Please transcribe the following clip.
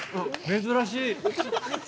珍しい。